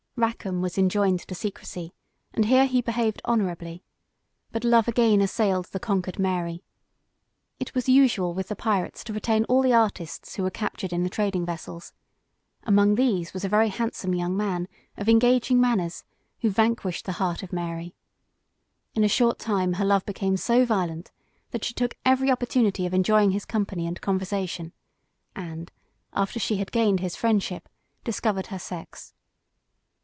Rackam was enjoined to secrecy, and here he behaved honorably; but love again assailed the conquered Mary. It was usual with the pirates to retain all the artists who were captured in the trading vessels; among these was a very handsome young man, of engaging manners, who vanquished the heart of Mary. In a short time her love became so violent, that she took every opportunity of enjoying his company and conversation; and, after she had gained his friendship, discovered her sex.